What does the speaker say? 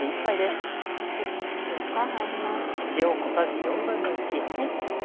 塩が入ります。